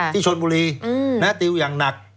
ที่ชนบุรีติวอย่างหนัก